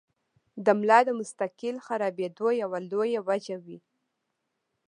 د ملا د مستقل خرابېدو يوه لويه وجه وي -